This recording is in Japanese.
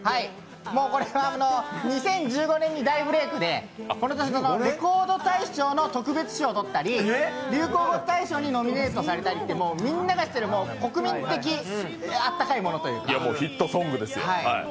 これは２０１５年に大ブレークでこの年の「レコード大賞」の特別賞を取ったり流行語大賞にノミネートされたりでみんなが知ってる国民的ヒットソングでいや、もうヒットソングですよ。